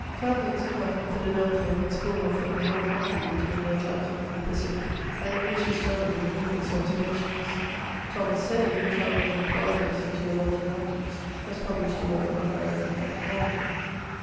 Townsend set out from Phila delphia, and explored on foot the whole country between the At lantic and the Pacific, and enriched his journal with numerous ob servations. Thomas Say, who travelled in the Floridas and to the Rocky Mountains, naa published a work on American ento mology.